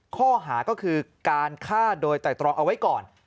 ข้อหาก็คือการฆ่าโดยไตรตรองเอาไว้ก่อน